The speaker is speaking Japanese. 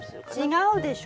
違うでしょ。